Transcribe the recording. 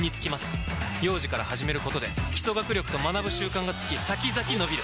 幼児から始めることで基礎学力と学ぶ習慣がつき先々のびる！